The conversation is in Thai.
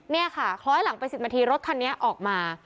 นี่ค่ะคล้อยหลังไป๑๐นาทีรถคันนี้ออกมา